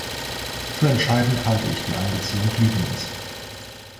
Für entscheidend halte ich die Einbeziehung Libyens.